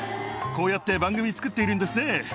こうやって番組作っているんですね。